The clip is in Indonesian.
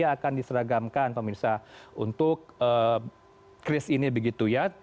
akan diseragamkan pemirsa untuk kris ini begitu ya